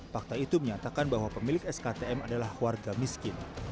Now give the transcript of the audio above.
fakta itu menyatakan bahwa pemilik sktm adalah warga miskin